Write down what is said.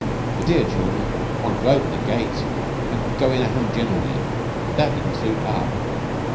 The dear children wanted to open the gate and go in at 'em generally, but that didn't suit our book.